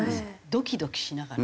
ドキドキしながら。